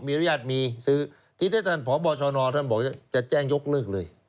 มีอนุญาตมีซื้อทีนี้ท่านผอวชนจะแจ้งยกเลือกเลย